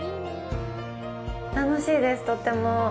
楽しいです、とっても。